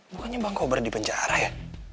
bukannya bang kobar di penjara ya